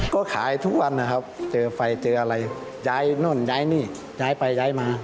ก็ขายทุกวันนะครับเจอไฟเจออะไรย้ายนู่นย้ายนี่ย้ายไปย้ายมา